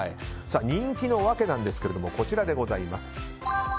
人気の訳なんですがこちらでございます。